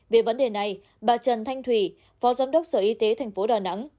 về vấn đề này bà trần thanh thủy phó giám đốc sở y tế tp đà nẵng